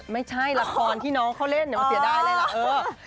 ไม่ใช่ละครที่น้องเขาเล่นเห็นว่าเสียดายอะไรล่ะ